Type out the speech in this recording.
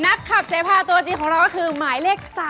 นักขับเซฟพลาตัวจริงของเราคือหมายเลข๓ค่ะ